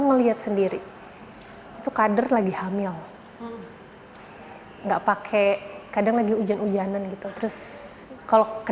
melihat sendiri itu kader lagi hamil enggak pakai kadang lagi hujan hujanan gitu terus kalau ke